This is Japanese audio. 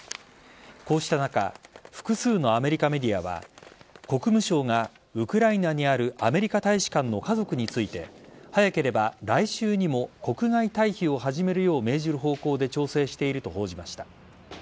こうした中複数のアメリカメディアは国務省が、ウクライナにあるアメリカ大使館の家族について早ければ来週にも国外退避を始めるよう命じる方向で調整していると報じました。